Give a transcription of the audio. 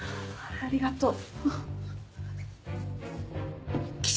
ありがとう。